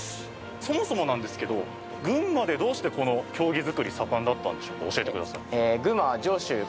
そもそもなんですけど群馬で、どうしてこの経木作り盛んだったんでしょうか？